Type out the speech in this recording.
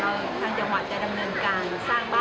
ลุงเอี่ยมปฏิเสธความช่วยเหลือหลายด้านเลยค่ะ